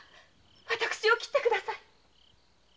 私を斬ってください。